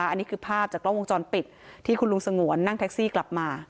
อันนี้คือภาพจากกล้องวงจรปิดที่คุณลุงสงวนนั่งแท็กซี่กลับมา